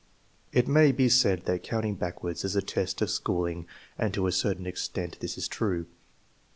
It may be said that counting backwards is a test of school ing, and to a certain extent this is true.